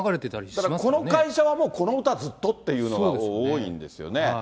だからこの会社はもうこの歌ずっとっていうのが多いんですよね。